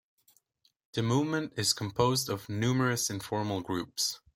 The movement is composed of numerous informal groups.